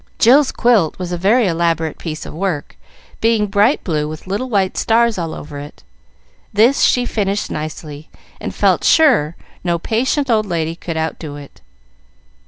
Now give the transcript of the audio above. Jill's quilt was a very elaborate piece of work, being bright blue with little white stars all over it; this she finished nicely, and felt sure no patient old lady could outdo it.